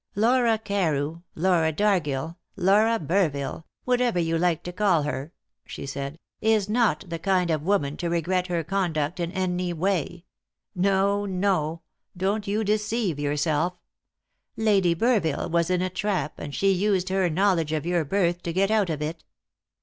"Laura Carew, Laura Dargill, Laura Burville, whatever you like to call her," she said, "is not the kind of woman to regret her conduct in any way. No, no; don't you deceive yourself. Lady Burville was in a trap, and she used her knowledge of your birth to get out of it."